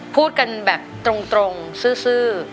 พูดกันแบบตรงซื่อ